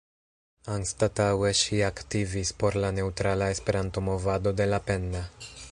Anstataŭe ŝi aktivis por la "Neŭtrala Esperanto-Movado" de Lapenna.